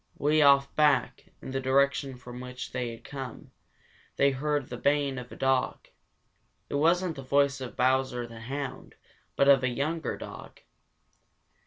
Way off back, in the direction from which they had come, they heard the baying of a dog. It wasn't the voice of Bowser the Hound but of a younger dog.